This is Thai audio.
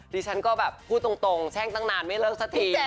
ดิฉันก็แบบพูดตรงแช่งตั้งนานไม่เลิกสักที